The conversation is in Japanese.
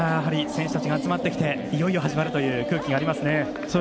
選手たちが集まってきていよいよ始まるという空気がありますね。